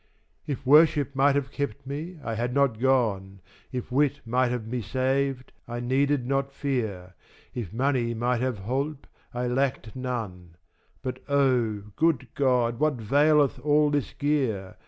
If worship might have kept me, I had not gone, If wit might have me saved, I needed not fear, If money might have holpe, I lacked none,3 But O! good God, what vaileth all this gear?